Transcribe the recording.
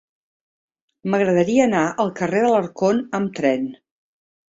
M'agradaria anar al carrer d'Alarcón amb tren.